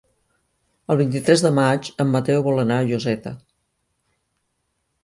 El vint-i-tres de maig en Mateu vol anar a Lloseta.